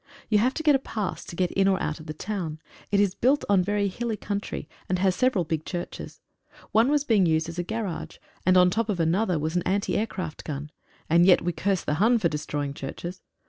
You have to get a pass to get in or out of the town. It is built on very hilly coun try, and has several big churches. One was being used 88 MOSQUITOES AND MALARIA. as a garage, and on the top of another was an anti aircraft gun, and yet we curse the Hun for destroying churches.